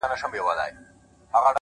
نړېدلي دېوالونه!! دروازې د ښار پرتې دي!!